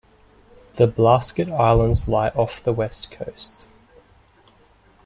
The Blasket Islands lie off the west coast.